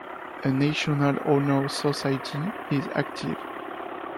A National Honor Society is active.